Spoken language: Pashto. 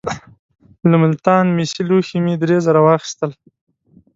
له ملتان مسي لوښي مې درې زره واخیستل.